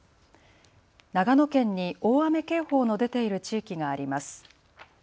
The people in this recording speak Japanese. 長野県に大雨警報の出ている地域があります。